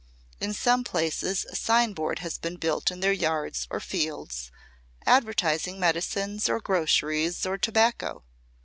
In some places a sign board has been built in their yards or fields, advertising medicines or groceries or tobacco.